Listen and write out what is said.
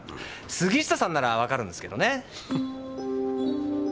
杉下さんならわかるんですけどね。